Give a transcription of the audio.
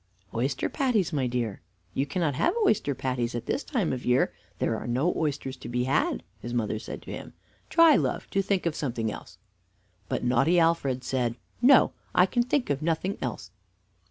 "Oyster patties, my dear boy? You cannot have oyster patties at this time of the year; there are no oysters to be had," his mother said to him. "Try, love, to think of something else." But naughty Alfred said: "No, I can think of nothing else."